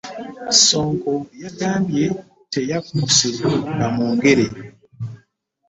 Ssonko yagambye teyakkuse bamwongere.